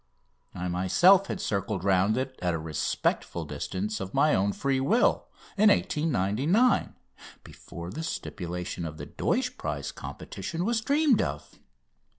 I myself had circled round it at a respectful distance, of my own free will, in 1899, before the stipulation of the Deutsch prize competition was dreamed of.